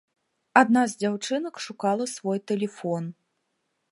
Адна з дзяўчынак шукала свой тэлефон.